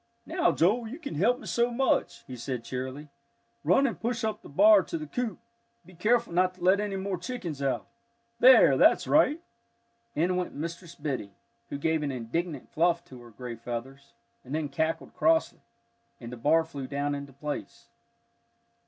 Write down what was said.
"Now, Joel, you can help me so much," he said cheerily. "Run and push up the bar to the coop. Be careful not to let any more chickens out. There, that's right!" In went Mistress Biddy, who gave an indignant fluff to her gray feathers, and then cackled crossly, and the bar flew down into place.